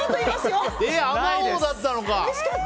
あまおうだったのか。